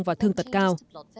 và thương tật cao